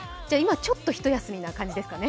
ちょっとひと休みな感じですかね。